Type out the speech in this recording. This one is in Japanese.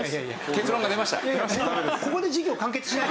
結論が出ました。